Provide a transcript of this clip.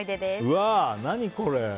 うわー、何これ。